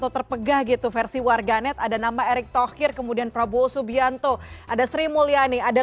terpegah gitu versi warganet ada nama erick thohir kemudian prabowo subianto ada sri mulyani ada